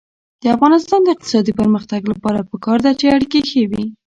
د افغانستان د اقتصادي پرمختګ لپاره پکار ده چې اړیکې ښې وي.